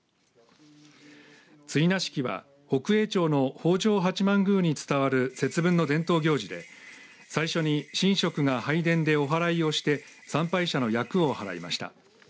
追儺式は北栄町の北条八幡宮に伝わる節分の伝統行事で最初に神職が拝殿でおはらいをして参拝者の厄を払いました。